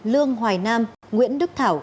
lương hoài nam nguyễn đức thảo